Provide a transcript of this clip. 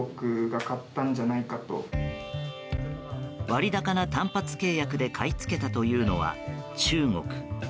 割高な単発契約で買い付けたというのは中国。